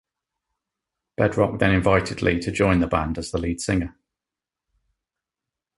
Bedrock then invited Lee to join the band as the lead singer.